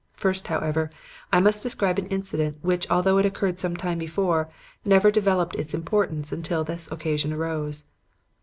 First, however, I must describe an incident which, although it occurred some time before, never developed its importance until this occasion arose.